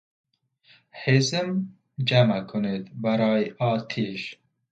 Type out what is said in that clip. هیزم جمع کنید برای آتیش